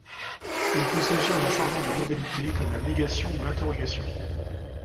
Il peut s'agir d'un changement de modalité, comme la négation ou l'interrogation.